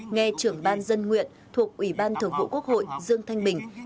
nghe trưởng ban dân nguyện thuộc ủy ban thường vụ quốc hội dương thanh bình